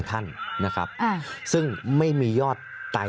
สามารถรู้ได้เลยเหรอคะ